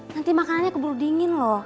nanti makanannya keburu dingin loh